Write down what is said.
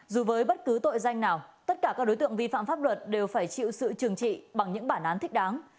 dù với bất cứ tội danh nào tất cả các đối tượng vi phạm pháp luật đều phải chịu sự trừng trị bằng những bản án thích đáng